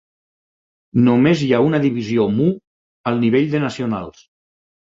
Només hi ha una divisió Mu al nivell de nacionals.